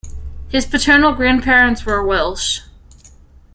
His paternal grandparents were Welsh.